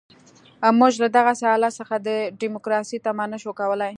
موږ له دغسې حالت څخه د ډیموکراسۍ تمه نه شو کولای.